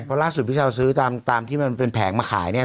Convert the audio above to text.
เพราะล่าสุดพี่เช้าซื้อตามที่มันเป็นแผงมาขายเนี่ย